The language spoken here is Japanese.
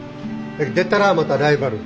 出たらまたライバル。